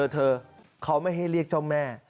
เธอเขาไม่ให้เรียกเจ้าแม่